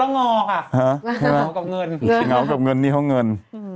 หาง้ากับเงินหาง้ากับเงินนี่ห้องเงิน